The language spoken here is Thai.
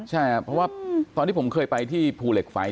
ใช่ครับเพราะว่าตอนที่ผมเคยไปที่ภูเหล็กไฟ